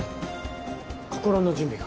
心の準備が。